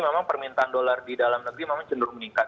memang permintaan dolar di dalam negeri memang cenderung meningkat